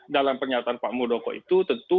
dalam pernyataan pak muldoko itu tentu